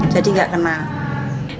jadi gak kenal